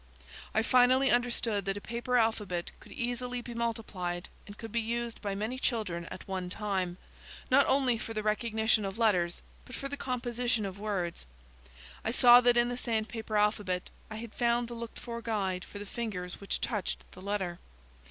I finally understood that a paper alphabet could easily be multiplied, and could be used by many children at one time, not only for the recognition of letters, but for the composition of words. I saw that in the sandpaper alphabet I had found the looked for guide for the fingers which touched the letter.